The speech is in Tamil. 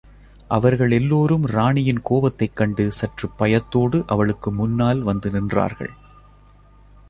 அவர்கள் எல்லோரும் ராணியின் கோபத்தைக் கண்டு சற்று பயத்தோடு அவளுக்கு முன்னால் வந்து நின்றார்கள்.